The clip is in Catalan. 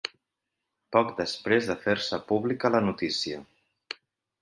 Poc després de fer-se pública la notícia.